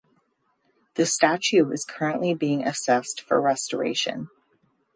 The statue is currently being assessed for restoration.